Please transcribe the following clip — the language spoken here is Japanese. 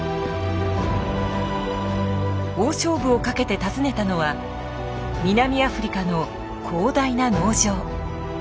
大勝負をかけて訪ねたのは南アフリカの広大な農場。